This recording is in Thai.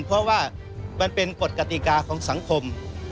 เพราะว่ามันเป็นกฎกติกาของสังคม